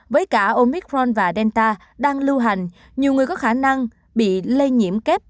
với cả omicron và delta đang lưu hành nhiều người có khả năng bị lây nhiễm kép